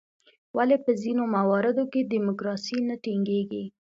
ولې په ځینو مواردو کې ډیموکراسي نه ټینګیږي؟